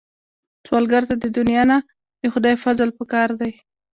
سوالګر ته د دنیا نه، د خدای فضل پکار دی